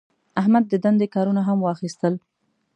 احمد د دندې کارونه هم واخیستل.